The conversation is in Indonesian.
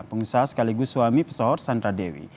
pengusaha sekaligus suami pesohor sandra dewi